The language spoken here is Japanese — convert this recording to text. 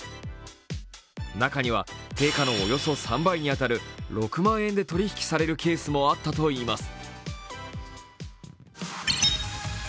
中には定価のおよそ３倍に当たる６万円で取り引きされるケースもあったといいます。